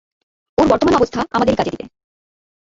ওর বর্তমান অবস্থা আমাদেরই কাজে দিবে।